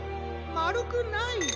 まるくない。